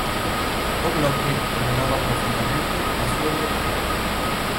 O Bloque renova profundamente a súa dirección.